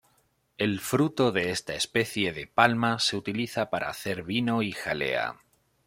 El fruto de esta especie de palma se utiliza para hacer vino y jalea.